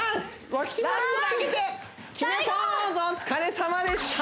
お疲れさまでした！